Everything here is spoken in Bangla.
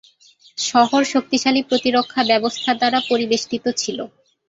শহর শক্তিশালী প্রতিরক্ষা ব্যবস্থা দ্বারা পরিবেষ্টিত ছিল।